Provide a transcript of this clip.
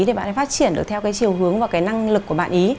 thì bạn ấy phát triển được theo cái chiều hướng và cái năng lực của bạn ý